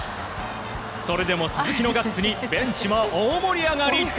それでも鈴木のガッツにベンチも大盛り上がり。